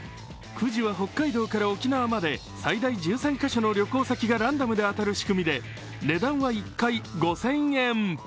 くじは北海道から沖縄まで最大１３カ所の旅行先がランダムで当たる仕組みで値段は１回５０００円。